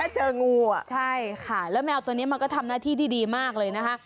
ใช่ค่ะแล้วแมวตัวนี้มันก็ทำหน้าที่ดีมากเลยนะคะ